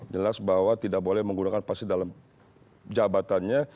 jelas bahwa tidak boleh menggunakan pasti dalam jabatannya